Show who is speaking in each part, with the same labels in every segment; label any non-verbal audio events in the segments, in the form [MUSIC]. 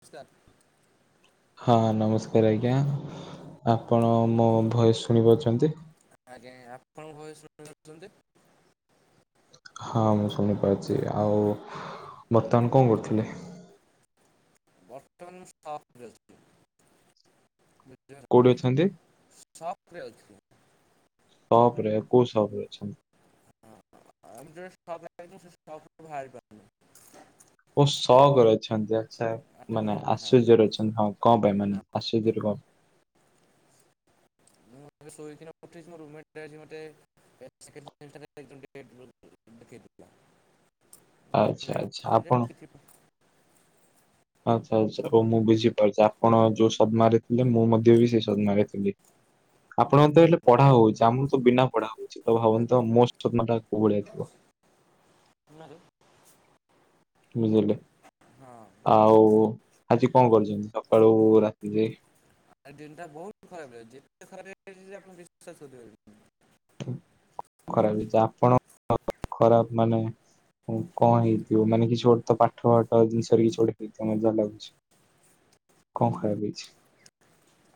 Speaker 1: ନମସ୍କାର।
Speaker 2: ହଁ ନମସ୍କାର ଆଜ୍ଞା ଆପଣ ମୋ ଭଏସ ଶୁଣିପାରୁଛନ୍ତି?
Speaker 1: ଆଜ୍ଞା ଆପଣଙ୍କ ଭୟ ଶୁଣଛନ୍ତି?
Speaker 2: ହଁ ମୁଁ ଶୁଣପାରୁଛି ଆଉ ବର୍ତ୍ତମାନ କଣ କରୁଥିଲେ?
Speaker 1: ବର୍ତ୍ତମାନ। [UNINTELLIGIBLE]
Speaker 2: କୋଉଠି
Speaker 1: [UNINTELLIGIBLE] ସପ୍
Speaker 2: ଅଛନ୍ତି?
Speaker 1: ରେ ଅଛି।
Speaker 2: ସପରେ କଉ ସପ ରେ ଅଛନ୍ତି?
Speaker 1: ଆମ। [UNINTELLIGIBLE]
Speaker 2: ବହୁ ଶକରେ ଅଛନ୍ତି ଆ। ଆଛା
Speaker 1: ଆଚ୍ଛା
Speaker 2: ମାନେ
Speaker 1: ଆଚ୍ଛା ହଁ
Speaker 2: ଆଶ୍ଚର୍ଯ୍ୟରେ ଅଛନ୍ତି ହଁ କଣ ପାଇଁ ମାନେ
Speaker 1: ହଁ
Speaker 2: ଆଶ୍ଚର୍ଯ୍ୟରେ କଣ?
Speaker 1: ମୁଁ ଶୋଇକିନ ପଠେଇଛି ମୋ ରୁମେଟ ଅଛି ମୋତେ। [UNINTELLIGIBLE] ମୁଁ
Speaker 2: ଆଚ୍ଛା
Speaker 1: ଏବେ
Speaker 2: ଆଚ୍ଛା।
Speaker 1: ଅଛି ଯେ
Speaker 2: ଆପଣ
Speaker 1: କିଛି ହଁ
Speaker 2: ଆଚ୍ଛା ଆଚ୍ଛା ହଉ ମୁଁ ବୁଝିପାରୁଛି ଆପଣ ଯୋଉ ସଦ୍ମାରେ ଥିଲେ ମୁଁ ମଧ୍ୟ ବି ସେଇ ସଦ୍ମାରେ ଥିଲି। ଆପଣ ତ ହେଲେ ପଢା ହଉଛି ଆମର ତ ବିନା ପଢା ହଉଛି ତ ଭାବନ୍ତୁ ତ ମୋଷ୍ଟ [UNINTELLIGIBLE] କୌଭଳିଆ ହେଇଥିବ।
Speaker 1: [UNINTELLIGIBLE]
Speaker 2: ବୁଝିଲେ? ଆଉ ଆଜି କଣ କରୁଛନ୍ତି ସକାଳୁ ରାତି ଯାଏ?
Speaker 1: ଆଜି ଦିନଟା ବହୁତ ଖରାପ [UNINTELLIGIBLE]
Speaker 2: ଖରାପ ଆପଣ ଖରାପ ମାନେ ହ କଣ ହେଇଥିବ ମାନେ କିଛି ଗୋଟେ
Speaker 1: କରିପାରିବେନି
Speaker 2: ତ ପାଠ ପାଠ ଜିନିଷରେ କିଛି ଗୋଟେ ହେଇଥିବ ମଜା ଲାଗୁଛି। କଅଁ ଖାୟାକୁ ହେଇଚି?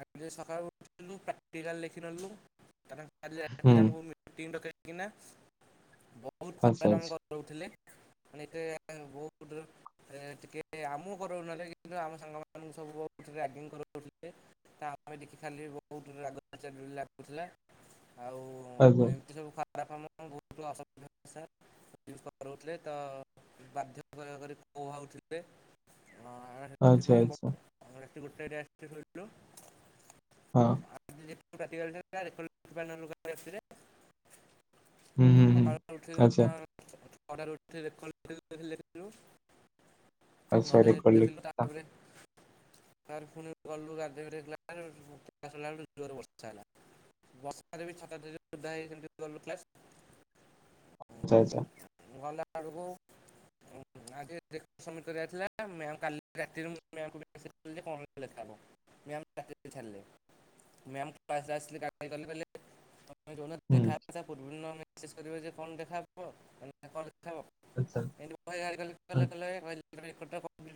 Speaker 1: ଆଗ ସକାଳୁ ଉଠିଲୁ ପ୍ରାଟିକଲ ଲେଖି ନେଲୁ କାହିଁକିନା କାଲି ରାତିରେ
Speaker 2: ହୁଁ
Speaker 1: ଆମକୁ ମିଟିଂ କାହିଁକିନା ବହୁତ ଖରାପ
Speaker 2: ଆଚ୍ଛା
Speaker 1: କାମ
Speaker 2: ଆଚ୍ଛା
Speaker 1: କରୁଥିଲେ। ମାନେ ଏତେ ବହୁତ ଟିକେ ଆମକୁ କରାଉନହେଲେ କିନ୍ତୁ ଆମ ସାଙ୍ଗମାନଙ୍କୁ ସବୁ କର ରାଗିଂ କରଥିଲେ ତା ଆମେ ଦେଖିପାରିଲେ ବହୁତ ରାଗ ଲାଗୁଥିଲା।
Speaker 2: ଆଉ କ?
Speaker 1: ବାପା [UNINTELLIGIBLE] ବୋହୁତ ଅସଭ୍ୟ ଭାଷା। କରଥିଲେ ତ ବାଧ୍ୟ। [UNINTELLIGIBLE]
Speaker 2: ଆଚ୍ଛା ଆଚ୍ଛା।
Speaker 1: ଗୋଟେ ରେ ଆସିଥିଲୁ ସେଠୁ।
Speaker 2: ହଁ
Speaker 1: ରେ
Speaker 2: ହୁଁ ହୁଁ ହୁଁ ଆଚ୍ଛା
Speaker 1: [UNINTELLIGIBLE] ନଟା
Speaker 2: ଆଚ୍ଛା ରେକର୍ଡ ଲେଖ
Speaker 1: [UNINTELLIGIBLE] ତାପରେ, ତାପରେ ଫୁନ ଗଲୁ ଗା [UNINTELLIGIBLE] ଜୁର ବର୍ଷା ହେଲା। ବଷ ଦେବୀ ଛତା ଧରିଧରି ଓଦା ହେଇ [UNINTELLIGIBLE] ଗଲୁ କ୍ଲାସ।
Speaker 2: ଆଚଛା ଆଚ୍ଛା
Speaker 1: [UNINTELLIGIBLE] ଡ଼କୁ ଆଜି ସବମିଟ କରିବାର ଥିଲା ମାମ କାଲି ରାତିରେ ମୁଁ ମାମ କୁ ପଚାରିଲି କଣ ସେଠି ଲେଖାହେବ, ମ୍ୟାମ, ତା ସହିତ ଛାଡିଲେ, ମ୍ୟାମ ପାଶ ଆସିଲେ ତାପରେ କହିଲେ, କହିଲେ ଇ ଯୋଉନ
Speaker 2: ହୁଁ
Speaker 1: ଦେଖା ପୂର୍ବ ମେ କର କଣ ଦେଖା ହବ [UNINTELLIGIBLE] [UNINTELLIGIBLE] କରି
Speaker 2: ଆଚ୍ଛା
Speaker 1: ପାରିନଥିବ, ଫଟୋ ବାହାରି [UNINTELLIGIBLE]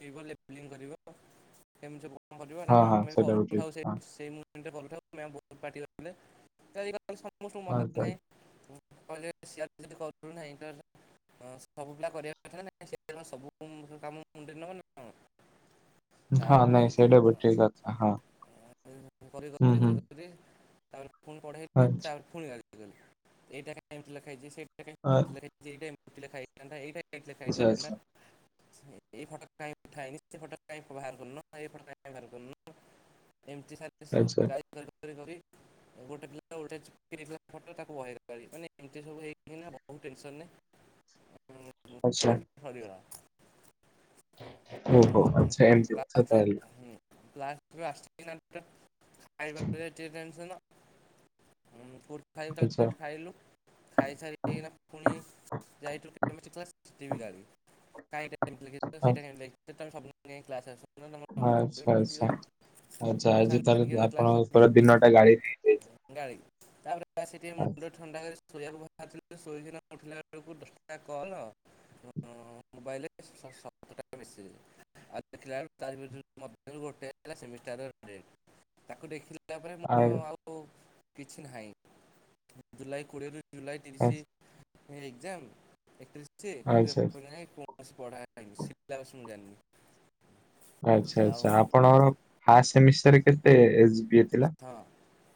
Speaker 1: କିଂ କରିବ, କରମିତି
Speaker 2: ହଁ ହଁ
Speaker 1: ଆମେ
Speaker 2: ସେଇଟା ବି
Speaker 1: କରୁନଥାଉ ସେ
Speaker 2: ଠିକ
Speaker 1: ସେ [UNINTELLIGIBLE]
Speaker 2: ହଁ ହଁ
Speaker 1: ସମଙ୍କୁ [UNINTELLIGIBLE] [UNINTELLIGIBLE] ହଁ ସବୁ ପିଲା କରିବା କଥା ସେଣ ସବୁ କାମ ମୁଣ୍ଡ ନବ ନାଁ କାନ?
Speaker 2: ହଁ ନାଇଁ ସେଇଟା ଭୁଲ ଠିକ ହଁ
Speaker 1: କରି
Speaker 2: ହୁଁ,
Speaker 1: କରି
Speaker 2: ହୁଁ।
Speaker 1: କରି କରି ତାପରେ ପୁଣି ପଢେଇ
Speaker 2: ଆଚ୍ଛା
Speaker 1: [INAUDIBLE] ପୁଣି [UNINTELLIGIBLE] ଏଇଟା କେମତି ଲେଖା ହେଇଚି? ଏଟା ଏମିତି ଲେଖା ହେଇଥାନ୍ତା ଏଟା ଲେଖା [UNINTELLIGIBLE]
Speaker 2: ଆଚ୍ଛା
Speaker 1: ହେଇଥାନ୍ତା।
Speaker 2: ଆଚ୍ଛା
Speaker 1: ଏଇ ଫଟ କାଇ ଉଠା ହେଇନି ସେ ଫଟ କାଇଁ ବାହାର କରିନ। [UNINTELLIGIBLE] ଏମିତି ସାର
Speaker 2: ଆଚ୍ଛା
Speaker 1: [INAUDIBLE] ଗାଳି। [UNINTELLIGIBLE] ଗୋଟେ [UNINTELLIGIBLE] ତାକୁ ବହେଇ ଗାଳି ମାନେ ଏମତି ସବୁ ହେଇ କିନା ବଉ ଟେନସନ ରେ।
Speaker 2: ଆଚ୍ଛା
Speaker 1: [INAUDIBLE] [UNINTELLIGIBLE]
Speaker 2: ଓ ହୋ ଆଚ୍ଛା ଏମତିକଥା ତାହେଲେ।
Speaker 1: ସେଠୁ ଆସିକି ଖାଇବା ଟା କି ଟେନସନ, କୋଉଠି ଖାଇବୁ
Speaker 2: ଆଚ୍ଛା
Speaker 1: ତାହାହେଲେ ଖାଇଲୁ, ଖାଇସାରି ଦେଇକିନା ପୁଣି ଯାଇଥିଲୁ ଜେମିତି କ୍ଲାସ ସଠି ବି ଗାଳି, ନାଇଁ ଏଟାସିମ୍ପୁଲ ତ ସେଇଟା କାଇଁ ଦେଖିନି, ସବୁଦିନ କାହିଁକି କ୍ଲାସ ଆସ,
Speaker 2: ହଁ, ଆଛା, ଆଛା, ଆଚ୍ଛା,
Speaker 1: ରସାୟନ
Speaker 2: ଆଜି
Speaker 1: ବିଜ୍ଞାନ
Speaker 2: ତାହାଲେ ଆପଣଙ୍କର
Speaker 1: କ୍ଲାସ୍ରେ
Speaker 2: ପୂରା ଦିନଟା ଗାଡି ନେଇଯାଇଛି।
Speaker 1: ଗାଳି ତାପରେ ବସି ଟିକେ ମୁଣ୍ଡ ଥଣ୍ଡା କରି, ଶୋଇବାକୁ ବାହାରିଥିଲି ଶୋୋଇକିନା ଉଠିଲା ବେଳକୁ ଦଶଟା କଲ୍, ମୋବାଇଲେ ସତରଟା ମେସେଜେ, ଦେଖିଲା ବେଲକୁ ତାରି ମଧ୍ୟରୁ ଗୋଟେ ହେଲା ସେମିଷ୍ଟାର ଡେଟ ତାକୁ ଦେଖିଲି
Speaker 2: ଆଇଲେ,
Speaker 1: କିଛି ନାହିଁ ଜୁଲାଇ କୋଡ଼ିଏରୁ ଜୁଲାଇ ତିରିିଶ ହେ, ଏକ୍ଜାମ ଏକତିରିଶ ରେ ଅଛି କିନ୍ତୁ
Speaker 2: ଆଚ୍ଛା ଆଚ୍ଛା
Speaker 1: ଏପର୍ଯ୍ୟନ୍ତ କୌଣସି ପଢା ହଇନି ସିଲାବସ ମୁଯାଣିନି,
Speaker 2: ଆଚ୍ଛା, ଆଚ୍ଛା, ଆପଣଙ୍କ ଫାଷ୍ଟ ସେମିଷ୍ଟାର ର କେତେ ଏଚ ବିଏ ଥିଲା,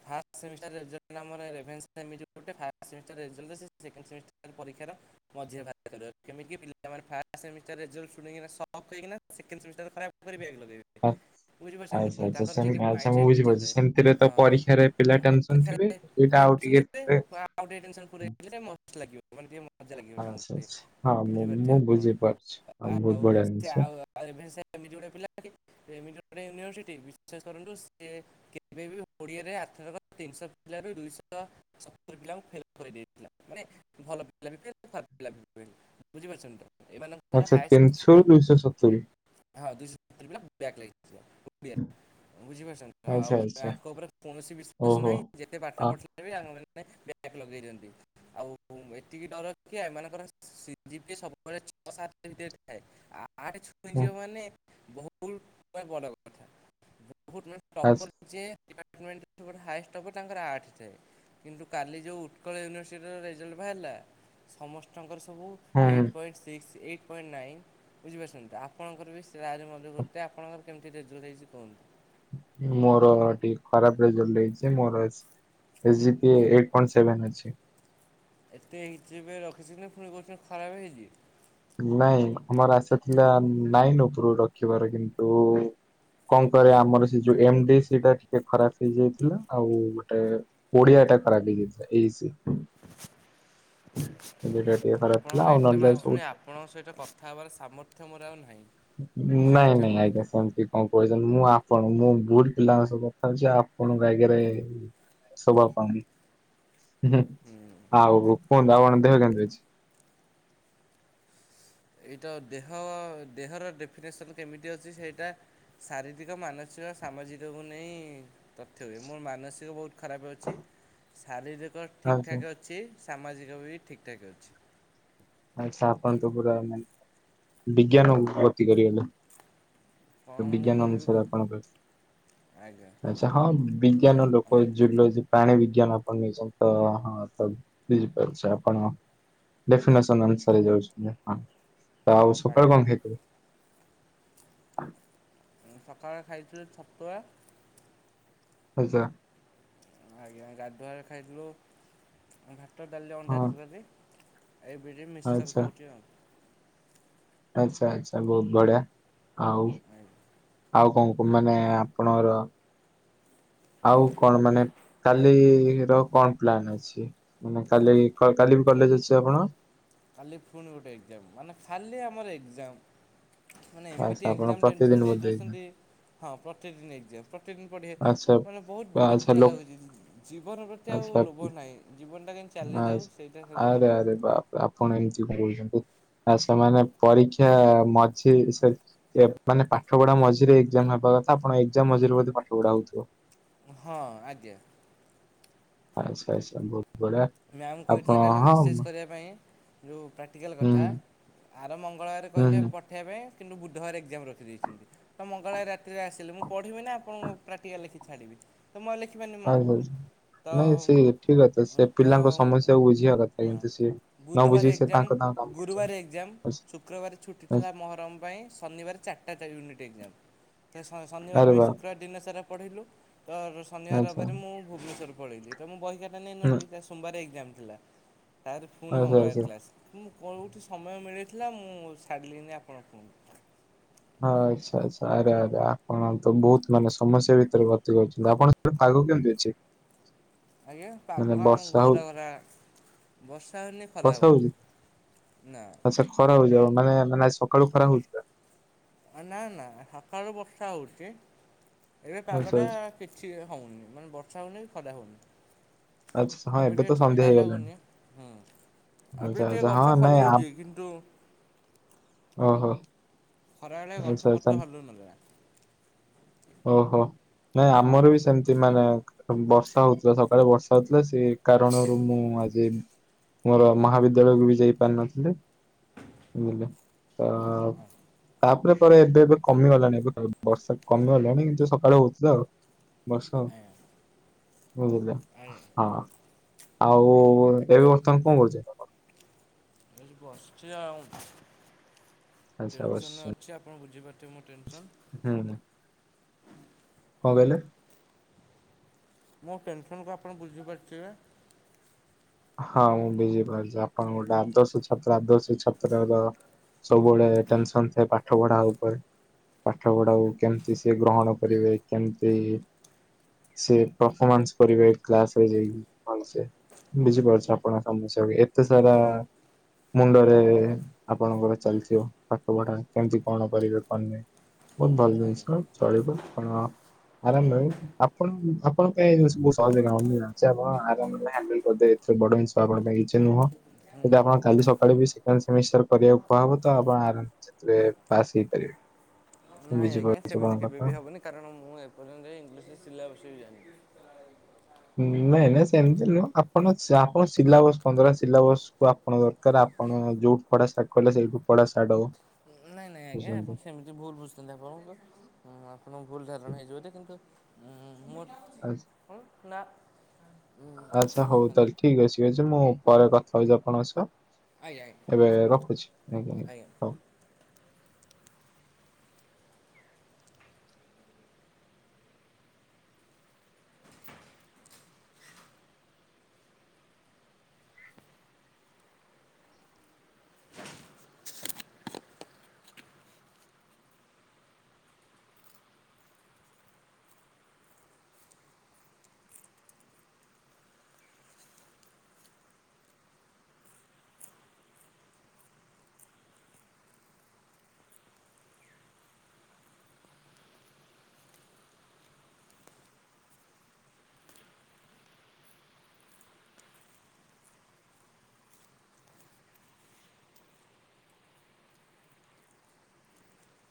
Speaker 1: ଫାଷ୍ଟସେମିଷ୍ଟାର ରିଜେଲଟ ଟା ଆମର ରେଭେନ୍ଶା ସେମି ଏପଟେ ଫାଷ୍ଟସେମିଷ୍ଟାର ଟା ସେକେଣ୍ଡେସେମିଷ୍ଟାର ପରୀକ୍ଷା ସେଟା ମଝିରେ ବାହାରିଥାନ୍ତା କେମିତି କି ପିଲାମାନେ ଫାଷ୍ଟସେମିଷ୍ଟାର ରେଜଲ୍ଟ ଶୁଣିକିନା ସକ ହଇକିନା ସେକେଣ୍ଡସେମିଷ୍ଟାର ଦେହଖରାପ କରିବେ ଲୋକ
Speaker 2: ଆଚ୍ଛା, ଆଛା ସେମିତି
Speaker 1: ଟିକେ ମାଇଣ୍ଡ
Speaker 2: ଭଲସେ ମୁଁ
Speaker 1: ସେଟ୍
Speaker 2: ବୁଝିପାରୁଛି
Speaker 1: ଚାଲେ
Speaker 2: ସେମିତିରେ ତ
Speaker 1: ହଁ
Speaker 2: ପରୀକ୍ଷାରେ, ପିଲାଟେନସନ ଥିବେ
Speaker 1: ପରୀକ୍ଷାରେ
Speaker 2: ହୁଏତ ଆଉ
Speaker 1: ଟେନସନ୍ ଥିବେ
Speaker 2: ଟିକେ
Speaker 1: ଆଉ ଟିକେ ଟେନସନ୍ ପୁରେଇଲେ ମସ୍ତ ଲାଗିବ ମାନେ ଟିକେ ମଜା ଲାଗିବ ତାଙ୍କୁ
Speaker 2: ଆଚ୍ଛା
Speaker 1: ଟିକେ
Speaker 2: ଆଚ୍ଛା ହଁ
Speaker 1: ଆଉ
Speaker 2: ମୁଁ
Speaker 1: ବୁଝିପାରୁଥିବେ
Speaker 2: ମୁଁ
Speaker 1: ଆପଣ
Speaker 2: ବୁଝିପାରୁଛି। ହଁ ବହୁତ
Speaker 1: ଆଉ
Speaker 2: ବଢିଆ
Speaker 1: ସେ
Speaker 2: ଜିନିଷ
Speaker 1: ଆଉ, ଆଉ ରେଭେନସା ଏମିତି ଗୋଟେ ପିଲା କି ଗୋଟେ ୟୁନିଭର୍ସିଟି ବିଶ୍ୱାସ କରନ୍ତୁ ସିଏ କେବେ ବି ଓଡ଼ିରେ ଧରକର ତିନିଶହ ପିଲାରୁ ଦୁଇଶହ ସତୁରି ପିଲାଙ୍କୁ ଫେଲ କରିଦେଇଥିଲା ମାନେ ଭଲ ପିଲା ବି ଫେଲ ଭଲପିଲା ବି ଫେଲ ବୁଝିପାରୁଛନ୍ତି ତ? ଏମାନଙ୍କର
Speaker 2: ଆଚ୍ଛା
Speaker 1: ହାଇଇଷ୍ଟ ପାସ୍ ତିରିଶ
Speaker 2: ତିନିଶହରୁ ଦୁଇଶହ ସତୁରି
Speaker 1: ଆଉ ଦୁଇସହସତୁରି ପିଲା ବ୍ୟାକ ଲାଗିଲା। ଓଡ଼ିଆ ରେ ବୁଝିପାରୁଛନ୍ତି ଆଉ
Speaker 2: ଆଚ୍ଛା
Speaker 1: ଆ
Speaker 2: ଆଚ୍ଛା
Speaker 1: ଆଙ୍କ ଉପରେ କୌଣସି ବି ବିଶ୍ୱାସ
Speaker 2: ଓହୋ।
Speaker 1: ନାହିଁ ଯେତେ ପାଠ
Speaker 2: ଅ
Speaker 1: ପଢ଼ିଲା ବି ଆ ମାନେ ବ୍ୟାକ୍ ଲଗେଇ ଦିଅନ୍ତି। ଆଉ ଏତିକି ଡର କି ଏମାନଙ୍କର ସି ଜି ପି ଏ ସବୁବେଳେ ଛଅ ସାତ ଭିତ ଥାଏ ଆ ଆଠ ଛୁଇଁ
Speaker 2: ହୁଁ
Speaker 1: ଯିବ ମାନେ ବହୁତ ମାନେ ଭଲ କଥା। ବହୁତ୍ ମାନେ
Speaker 2: ଆଚ୍ଛା
Speaker 1: ଟପର୍ ଯିଏ ଡିପାର୍ଟମେଣ୍ଟ ସବୁଠୁ ହାଏଷ୍ଟ ସବୁ ତାଙ୍କର ଆଠ ଯାଏ କିନ୍ତୁ କାଲି ଯେଉ ଉତ୍କଳ ୟୁନିଭର୍ସିଟିର ରେଜଲ୍ଟ ବାହାରିଲା ସମସ୍ତଙ୍କର ସବୁ
Speaker 2: ହୁଁ
Speaker 1: ଏଇଟ୍ ପଏଣ୍ଟ ସିକ୍ସ ଏଇ ନାଇ ବୁଝିପାରୁଛନ୍ତି ଆପଣଙ୍କର ବି ସାରେ ମଧ୍ୟ ଗୋଟେ ଆପଣଙ୍କର କେମିତି ରେଜଲ୍ଟ ହେଇଛି କୁହନ୍ତୁ?
Speaker 2: ମୋର ଟିକେ ଖରାପ ରେଜଲ୍ଟ ହେଇଛି ମୋର ଅଛି S G P A eight point seven ଅଛି।
Speaker 1: ଏତେ ହେଚ ପି ଏ ରଖିଛନ୍ତି ନା ଫୁଣି କହୁଛନ୍ତି ଖରାପ ହେଇଚି।
Speaker 2: ନାଇଁ ଆମର ଆଶା ଥିଲା ନାଇନ ଉପରୁକୁ ରଖିବାର କିନ୍ତୁ କଣ କରିଆ ଆମର ସେ ଯୋଉ ଏମ ଡି ସି ଟା ସେଟା ଟିକେ ଖରାପ ହେଇଯାଇଥିଲା ଆଉ ଗୋଟେ ଓଡିଆ ଟା ଖରାପ ହୋଇଯାଇଥିଲା ଏ ଇ ସି। ଟା ଟିକେ ଖରାପ
Speaker 1: ଆପଣଙ୍କ
Speaker 2: ଥିଲା ଆଉ
Speaker 1: ଏତେ
Speaker 2: ନହେଲେ
Speaker 1: ମାର୍କ ଶୁଣି
Speaker 2: ସବ୍
Speaker 1: ଆପଣଙ୍କ ସହିତ କଥା ହେବାର ସାମର୍ଥ୍ୟ ମୋର ଆଉ ନାହିଁ।
Speaker 2: ନାଇଁ
Speaker 1: ବୁଝିପାରୁଥିବେ
Speaker 2: ନାଇଁ
Speaker 1: ମୋ
Speaker 2: ଆଜ୍ଞା
Speaker 1: କଥା।
Speaker 2: ସେମିତି କଣ କହୁଛନ୍ତି ମୁଁ ଆପଣଙ୍କୁ ମୁଁ ଗୁଡ ପିଲାଙ୍କ ସହ କଥା ହେଛି ଆପଣଙ୍କ ଆଗରେ ଶୋଭା ପାଉନି। ଉହୁଁ
Speaker 1: ହୁଁ
Speaker 2: ଆଉ କୁହନ୍ତୁ ଆଉ କଣ ଦେହ କେମତି ଅଛି?
Speaker 1: ଏଇଟା ଦେହ ଦେହର ଡେଫିନେସନ୍ କେମିତି ଅଛି ସେଇଟା ଶାରୀରିକ ମାନସି ସାମାଜିକକୁ ନେଇ ତଥ୍ୟ ହୁଏ ମୋର ମାନସିକ ବହୁତ ଖରାପ ଅଛି ଶାରୀରିକ ଠିକ୍
Speaker 2: ଆଚ୍ଛା
Speaker 1: ଠାକ୍ ଅଛି। ସାମାଜିକ ବି ଠିକ ଠାକ୍ ଅଛି।
Speaker 2: ଆଚ୍ଛା ଆପଣ ତ ପୁରା ବିଜ୍ଞାନ କୁ ଗତି କରି ଗଲେ।
Speaker 1: କଣ
Speaker 2: ତ
Speaker 1: ମୁଁ
Speaker 2: ବିଜ୍ଞାନ
Speaker 1: କରିବି
Speaker 2: ଅନୁସାରେ ଆପଣଙ୍କ
Speaker 1: ଆଜ୍ଞା
Speaker 2: ଆଚ୍ଛା ହଁ ବିଜ୍ଞାନ ଲୋକ ଜୁଲୋଜି ପ୍ରାଣୀ ବିଜ୍ଞାନ ଆପଣ ନେଇଛନ୍ତି ତ ହ ବୁଝି ପାରୁଛି ଆପଣ ଡେଫିନେସ ସନ ଅନୁସାରେ ଯାଉଛନ୍ତି ତ ଆଉ ସକାଳୁ
Speaker 1: ଆଜ୍ଞା
Speaker 2: କଣ ଖାଇଥିଲେ? [INAUDIBLE]
Speaker 1: ସକାଳେ ଖାଇଥିଲି ଛତୁଆ।
Speaker 2: ଆଚ୍ଛା।
Speaker 1: ଆଜ୍ଞା ଗାଧୁଆବେଳେ ଖାଇଥିଲୁ ଭାତ ଡାଲି
Speaker 2: ହଁ
Speaker 1: ଅଣ୍ଡା ତରକାରୀ। ଏବେ ଟିକେ ମିକ୍ସଚର୍
Speaker 2: ଆଚ୍ଛା
Speaker 1: ଖାଉଛି ଆଉ।
Speaker 2: ଆଚ୍ଛା ଆଚ୍ଛା ବହୁତ ବଢିଆ ଆଉ। ଆଉ କଣ କ ମାନେ ଆପଣଙ୍କ
Speaker 1: [INAUDIBLE]
Speaker 2: ଆଉ କଣ ମାନେ କାଲିର କଣ ପ୍ଲାନ ଅଛି ମାନେ କାଲି କ-କାଲି ବି କ ଜ ଅଛି ଆପଣ।
Speaker 1: କାଲି ଫୁଣି ଗୋଟେ ଏକ୍ଜାମ ମାନେ ଖାଲି ଆମର ଏକ୍ଜାମ। ମାନେ ଏମିତି
Speaker 2: ଆଚ୍ଛା ଆପଣ
Speaker 1: ଏକ୍ଜାମ
Speaker 2: ପ୍ରତିଦିନ
Speaker 1: ଟେନସନ୍ ଦେଇ
Speaker 2: ବୋଧେ
Speaker 1: ଦେଉଛନ୍ତି ହଁ ପ୍ରତିଦିନ ଏକ୍ଜାମ ପ ପ୍ରତିଦିନ ପଢ଼ି
Speaker 2: ଆଚ୍ଛା
Speaker 1: ମାନେ ବହୁତ
Speaker 2: ଆଚ୍ଛା
Speaker 1: ବିରକ୍ତିଆ
Speaker 2: ଲୋ
Speaker 1: ଲାଗୁଛି ଜୀବନ ପ୍ରତି ଆଉ ଲୋଭ ନାହିଁ ଜୀବନଟା କାହିଁ
Speaker 2: ଆ ଆରେ ଆରେ ବାପ ଆପଣ ଏମିତି ଙ୍କ କହୁଛନ୍ତି। ଆ ସେମାନେ ପରୀକ୍ଷା ମଝିରେ ସେ ଏ ମାନେ ପାଠ ପଢା ମଝିରେ ଏକ୍ଜାମ ହେବା ଆପଣ ଏକ୍ଜାମ ମଝିରେ ବଧେ ପାଠ ପଢା ହଉଥିବ।
Speaker 1: ହଁ ଆଜ୍ଞା।
Speaker 2: ଆଚ୍ଛା ଆଚ୍ଛା ବହୁତ ବଢିଆ
Speaker 1: ମ୍ୟାମ୍
Speaker 2: ଆପଣ
Speaker 1: କହିଥିଲେ କାଲି
Speaker 2: ହଁ
Speaker 1: ମେସେଜ୍
Speaker 2: ମ-
Speaker 1: କରିବା ପାଇଁ ଯଉ ପ୍ରାକ୍ଟିକାଲ
Speaker 2: ହୁଁ
Speaker 1: କଥା ଆର ମଙ୍ଗଳବାରେ
Speaker 2: ହୁଁ
Speaker 1: କହିଲେ
Speaker 2: ହୁଁ।
Speaker 1: ପଠାଇବେ କିନ୍ତୁ ବୁଧବାର ଏକ୍ଜାମ ରଖିଦେଇଛନ୍ତି ତ ମଙ୍ଗଳବାର ରାତିରେ ଆସିଲି ମୁଁ ପଢ଼ିମୀ ନା ଆପଣଙ୍କୁ ପ୍ରାକ୍ଟିକାଲ ଲେଖି ଛାଡ଼ିବି। ତ ମୁଁ ଆଉ ଲେଖିପାରିନି
Speaker 2: [UNINTELLIGIBLE]
Speaker 1: ତ
Speaker 2: ନାଇଁ ସେଇ ଠିକ କଥା ସେ
Speaker 1: ତ
Speaker 2: ପିଲାଙ୍କ ସମସ୍ୟାକୁ ବୁଝିବା କଥା
Speaker 1: ହଁ
Speaker 2: କିନ୍ତୁ ସିଏ ନ
Speaker 1: ବୁଧବାର
Speaker 2: ବୁଝିକି ସେ
Speaker 1: ଏକ୍ଜାମ
Speaker 2: ତାଙ୍କ ତାଙ୍କ କାମ କରୁଛନ୍ତି।
Speaker 1: -କ୍ରବାରେ ଛୁଟିଥିଲା
Speaker 2: ଆଚ୍ଛା।
Speaker 1: ମହରମ୍ ପାଇଁ ଶନିବାର ଚା -ଟା ୟୁନିଟ୍ ଏକ୍ଜାମ୍ ଫେର ଶ- ଶନିବାର
Speaker 2: ଆରେ
Speaker 1: ପାଇଁ
Speaker 2: ବା
Speaker 1: ଶୁକ୍ରବାର ଦିନସାରା ପଢ଼ିଲୁ। ତ ର ଶନିବାର
Speaker 2: ଆଚ୍ଛା
Speaker 1: ରବିବାରେ ମୁଁ ଭୁବନେଶ୍ୱର ପଳେଇଲି ତ ମୁଁ ବହିଖାତା
Speaker 2: ହୁଁ
Speaker 1: ନେଇନଥିଲି। ବାରେ ଏକ୍ଜାମ୍‌ ଥିଲା, ତାରେ ଫୁଣି
Speaker 2: ଆଚ୍ଛା
Speaker 1: ମଙ୍ଗଳବାର
Speaker 2: ଆଚ୍ଛା।
Speaker 1: କ୍ଲାସ୍‌। କୋଉଠୁ ସମୟ ମିଳିଥିଲା ମୁଁ ସାରିଲିନି ଆପଣ କୁହନ୍ତୁ?
Speaker 2: ହଁ ଆଚ୍ଛା ଆଚ୍ଛା ଆରେ ଆରେ ଆପଣ ତ ବହୁତ ମାନେ ସମସ୍ୟା ଭିତରେ ଗତି କରୁଛନ୍ତି। ଆପଣଙ୍କ ସେଆଡେ ପାଗ କେମ୍ [UNINTELLIGIBLE]
Speaker 1: ଆଜ୍ଞା ପାଗ ହଁ ଘୋରା ଘୋରା ବର୍ଷା ହେଉନି ଖରା
Speaker 2: ବର୍ଷା ହଉଛି
Speaker 1: ହଉନି।
Speaker 2: ଆଚ୍ଛା ଖରା ହଉଯାଉ ମାନେ ମାନେ ଆଜି ସକାଳୁ ଖରା ହଉଥିଲା?
Speaker 1: ନା ନା ସକାଳୁ ବର୍ଷା ହଉଚି ଏବେ ପାଗ
Speaker 2: ଆଚ୍ଛା
Speaker 1: ଟା
Speaker 2: ଆଚ୍ଛା
Speaker 1: କିଛି ହଉନି, ମାନେ ବର୍ଷା ହଉନି କି ଖରା ହଉନି।
Speaker 2: ଆଛା ହଁ ଏବେ
Speaker 1: ଟିକେ
Speaker 2: ତ
Speaker 1: ଥଣ୍ଡା
Speaker 2: ସନ୍ଧ୍ୟା ହେଇଗଲାଣି।
Speaker 1: ଲାଗୁନି ହୁଁ ଏବେ
Speaker 2: ଆଚ୍ଛା
Speaker 1: ଟିକେ
Speaker 2: ଆଚ୍ଛା ହଁ
Speaker 1: ଗଛ
Speaker 2: ନାଇଁ ଆମ୍-
Speaker 1: ହଲୁଛି କିନ୍ତୁ
Speaker 2: ଓ ହୋ।
Speaker 1: ଖରାବେଳେ ଗଛପତ୍ର ହଲୁ ନଥିଲା।
Speaker 2: ଓହୋ। ନାଇଁ ଆମର ବି ସେମତି ମାନେ ବର୍ଷା ହଉଥିଲା, ସକାଳେ ବର୍ଷା ହଉଥିଲା ସେ କାରଣରୁ ମୁଁ ଆଜି ମୋର ମହାବିଦ୍ୟାଳୟକୁ ବି ଯାଇ ପାରିନଥିଲି। ତ
Speaker 1: ଆଜ୍ଞା
Speaker 2: ତାପରେ ପରେ ଏବେ ଏବେ କମିଗଲାଣିି ଏବେ ବର୍ଷା କ କମିଗଲାଣି କିନ୍ତୁ ସକାଳୁ ହଉଥିଲା ଆଉ ବର୍ଷା ଆଉ। [UNINTELLIGIBLE]
Speaker 1: ଆଜ୍ଞା
Speaker 2: ହଁ। ଆଉ ଏବେ ବର୍ତ୍ତମାନ କଣ କରୁଚନ୍ତି ଆପଣ?
Speaker 1: ଏଠି ବସିଛି ଆଉ
Speaker 2: ଆଚ୍ଛା
Speaker 1: ଟେନ୍‌ସନ୍‌ରେ ଅଛି ଆପଣ ବୁଝିପାରୁଥିବେ ମୋ ଟେନ୍‌ସନ୍‌।
Speaker 2: ହୁଁ ହୁଁ କଣ
Speaker 1: ହୁଁ
Speaker 2: କହିଲେ?
Speaker 1: ମୋ ଟେନ୍‌ସନ୍‌ କୁ ଆପଣ ବୁଝିପାରିଥିବେ।
Speaker 2: ହଁ ମୁଁ ବୁଝିପାରୁଛି ଆପଣ ଗୋଟେ ଆଦର୍ଶଛାତ୍ର ଆଦର୍ଶଛାତ୍ର ର ସବୁବେଳେ ଟେନ୍‌ସନ୍‌ ଥାଏ ପାଠ ପଢା ଉପରେ। ପାଠପଢାକୁ କେମ୍ତି ସେ ଗ୍ରହଣ କରିବେ? କେମ୍ତି ସେ ପ୍ରଫମାନ୍ସ କରିବେ କ୍ଲାସରେ ଯାଇକି ଭଲସେ ବୁଝିପାରୁଛି ଆପଣଙ୍କ ସମସ୍ୟାକୁ ଏତେସାରା ଆ ମୁଣ୍ଡରେ ଏ ଆପଣଙ୍କର ଚାଲିଥିବ ପାଠ ପଢା କେମତି କଣ କରିବେ କଣ ନାଇଁ। ବହୁତ୍ ଭଲ୍‌
Speaker 1: ଆଜ୍ଞା।
Speaker 2: ଜିନ୍ସ ଚଳିବ ପଣ ଆରାମରେ ଆପଣ ଆପଣ ଏ ମୁ ସହଜ କାମ ମୁ ଜାଣିଛି ଆପଣ ଆରାମରେ ହ୍ୟାଣ୍ଡଲ କରି ବଧେ ଏଥିରେ ବଡ ନିଷ୍ପାପ କଥା କିଛି ନୁହଁ। ଯଦି ଆପଣ କାଲି ସକାଳୁ ବି ସେକେଣ୍ଡ ସେମିଷ୍ଟାର କରିବାକୁ କୁହାହେବ ତ ଆପଣ ଆରାମସେ ସେଥିରେ ପାସ୍ ହେଇପାରିବେ। ମୁଁ
Speaker 1: ନାଇଁ ଆଜ୍ଞା
Speaker 2: ବୁଝିପାରୁଛି
Speaker 1: ସେମିତି
Speaker 2: ଆପଣଙ୍କ
Speaker 1: କେବେ
Speaker 2: କଥା
Speaker 1: ବି ହବନି କାରଣ ମୁଁ ଏପର୍ଯ୍ୟନ୍ତ ଇଂଲିଶ ସିଲାବସ ବି ଜାଣିନି।
Speaker 2: ନାଇଁ ନାଇଁ ସେମିତି ନୁହଁ ଆପଣ ଆପ ସିଲାବସ୍ ପନ୍ଦର ସିଲାବସ କୁ ଆପଣ ଦରକାର ଆପ ଆପଣ ଯୋଉଠୁ ପଢା ଷ୍ଟାର୍ଟ କଲେ ସେଇଠୁ ପଢା ଷ୍ଟାଟ ହବ।
Speaker 1: ନାଇଁ ଆଜ୍ଞା ନାଇଁ ଆପଣ
Speaker 2: ବୁଝୁଛନ୍ତି
Speaker 1: ସେମିତି ଭୁଲ ବୁଝୁଛନ୍ତି ଆପଣଙ୍କୁ ଆପଣଙ୍କ ଭୁଲ ଧାରଣା ହେଇଯିବ ଯେ କିନ୍ତୁ
Speaker 2: ଆଚ୍ଛା
Speaker 1: ହୁଁ ନାଁ।
Speaker 2: ଆଚ୍ଛା ହଉ ତାଲେ ଠିକ ଅଛି ଅଛି ମୁଁ ପରେ
Speaker 1: ଆଜ୍ଞା
Speaker 2: କଥା ହଉଛିି ଆପଣଙ୍କ ସହ।
Speaker 1: ଆଜ୍ଞା
Speaker 2: ଏବେ ରଖୁଛି ଆଜ୍ଞା ଆଜ୍ଞା ହଉ।